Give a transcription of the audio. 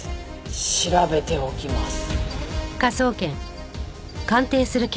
調べておきます。